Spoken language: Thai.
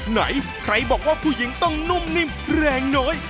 ไหนใครบอกว่าผู้หญิงต้องนุ่มนิ่มแรงน้อย